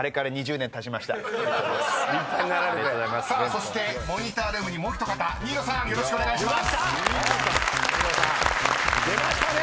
［そしてモニタールームにもう一方新納さんよろしくお願いします］出ましたね！